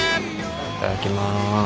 いただきます。